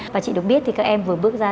và chị được biết thì các em vừa bước ra